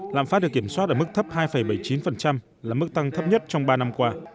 lạm phát được kiểm soát ở mức thấp hai bảy mươi chín là mức tăng thấp nhất trong ba năm qua